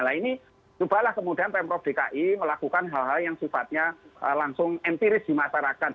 nah ini cobalah kemudian pemprov dki melakukan hal hal yang sifatnya langsung empiris di masyarakat